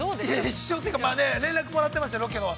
◆師匠というか、連絡もらってました、ロケの。